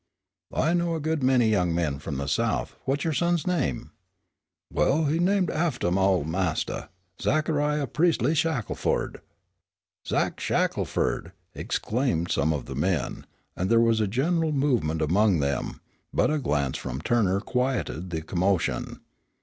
"I know a good many young men from the South. What's your son's name?" "Well, he named aftah my ol' mastah, Zachariah Priestley Shackelford." "Zach Shackelford!" exclaimed some of the men, and there was a general movement among them, but a glance from Turner quieted the commotion.